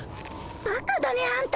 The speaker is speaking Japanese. ばかだねあんた。